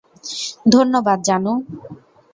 ধন্যবাদ, জানু।